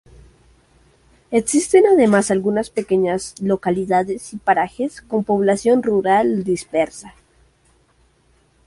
Existen además algunas pequeñas localidades y parajes con población rural dispersa.